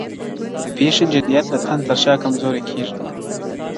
د پیښي جديت د طنز تر شا کمزوری کيږي,